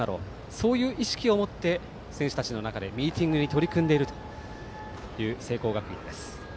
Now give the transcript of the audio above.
そういう意識を持って選手たちの中でミーティングに取り組んでいるという聖光学院です。